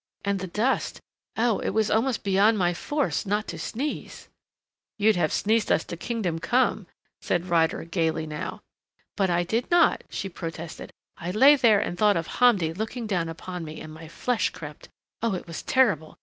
And the dust Oh, it was almost beyond my force not to sneeze " "You'd have sneezed us to Kingdom Come," said Ryder, gayly now. "But I did not," she protested. "I lay there and thought of Hamdi looking down upon me, and my flesh crept.... Oh, it was terrible!